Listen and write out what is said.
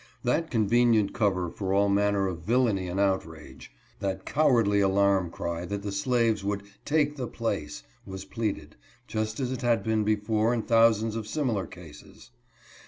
That convenient covert for all manner of villainy and outrage ; that cowardly alarm cry that the slaves would "take the place," was pleaded, just as it had before been in thousands of similar cases.